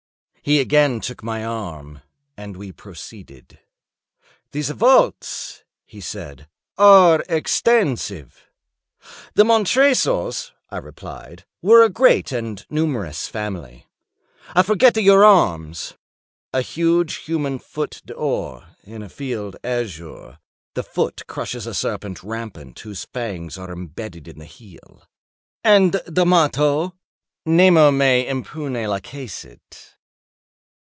He again took my arm, and we proceeded. "These vaults," he said, "are extensive." "The Montresors," I replied, "were a great and numerous family." "I forget your arms." "A huge human foot d'or, in a field azure; the foot crushes a serpent rampant whose fangs are imbedded in the heel." "And the motto?" "Nemo me impune lacessit."